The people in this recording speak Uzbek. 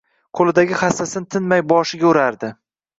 Qo‘lidagi hassani tinmay boshiga urardi.